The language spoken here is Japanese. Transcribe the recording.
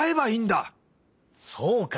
そうか。